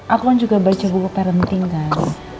aku kan juga baca buku parenting kan